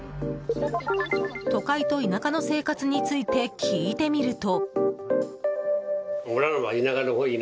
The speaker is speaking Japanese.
都会と田舎の生活について聞いてみると。